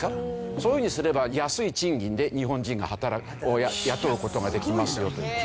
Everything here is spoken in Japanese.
そういうふうにすれば安い賃金で日本人を雇う事ができますよという。